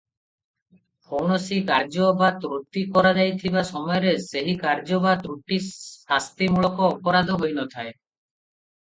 କୌଣସି କାର୍ଯ୍ୟ ବା ତ୍ରୁଟି କରାଯାଇଥିବା ସମୟରେ ସେହି କାର୍ଯ୍ୟ ବା ତ୍ରୁଟି ଶାସ୍ତିମୂଳକ ଅପରାଧ ହୋଇନଥାଏ.